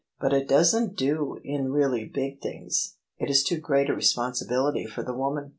But it doesn't do in really big things: it is too great a responsibility for the woman.